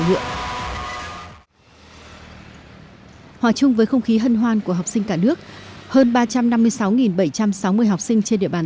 nguyện hòa chung với không khí hân hoan của học sinh cả nước hơn ba trăm năm mươi sáu bảy trăm sáu mươi học sinh trên địa bàn